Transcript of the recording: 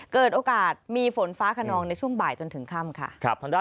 เกิดโอกาสมีฝนฟ้าขนองในช่วงบ่ายจนถึงค่ำค่ะ